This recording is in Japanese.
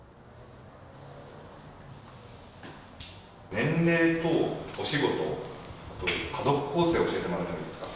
年齢とお仕事と家族構成を教えてもらってもいいですか？